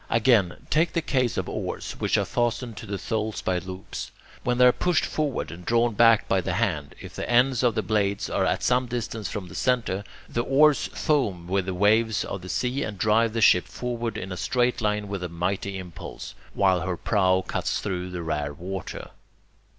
Again, take the case of oars, which are fastened to the tholes by loops, when they are pushed forward and drawn back by the hand, if the ends of the blades are at some distance from the centre, the oars foam with the waves of the sea and drive the ship forward in a straight line with a mighty impulse, while her prow cuts through the rare water.